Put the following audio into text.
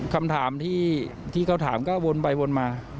คำถามที่เขาถามก็วนไปวนมา